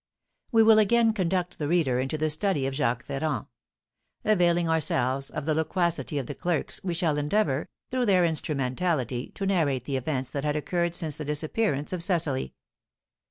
We will again conduct the reader into the study of Jacques Ferrand. Availing ourselves of the loquacity of the clerks, we shall endeavour, through their instrumentality, to narrate the events that had occurred since the disappearance of Cecily.